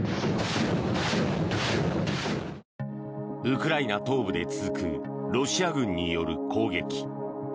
ウクライナ東部で続くロシア軍による攻撃。